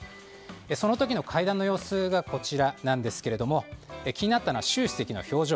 その時の会談の様子がこちらですが気になったのは習主席の表情。